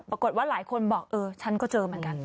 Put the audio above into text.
ปรากฏว่าหลายคนบอกเออฉันก็เจอเหมือนกัน